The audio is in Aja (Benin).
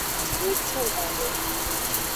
Wo cu honlo.